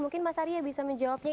mungkin mas arya bisa menjawabnya